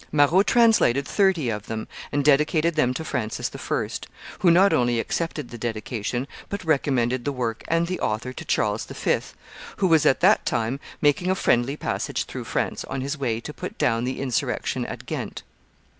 Marot translated thirty of them, and dedicated them to Francis I., who not only accepted the dedication, but recommended the work and the author to Charles V., who was at that time making a friendly passage through France on his way to put down the insurrection at Ghent.